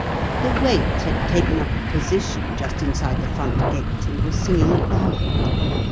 The wait had taken up a position just inside the front gate, and was singing a ballad.